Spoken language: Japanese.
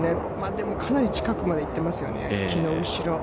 でもかなり近くまで行ってますよね、木の後ろ。